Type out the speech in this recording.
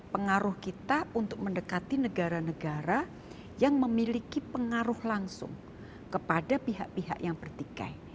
pengaruh kita untuk mendekati negara negara yang memiliki pengaruh langsung kepada pihak pihak yang bertikai